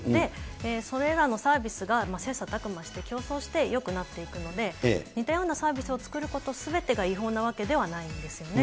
それらのサービスが切さたく磨して競争して、よくなっていくので、似たようなサービスを作ることすべてが違法なわけではないんですよね。